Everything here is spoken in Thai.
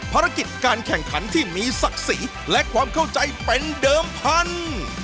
ภารกิจการแข่งขันที่มีศักดิ์ศรีและความเข้าใจเป็นเดิมพันธุ์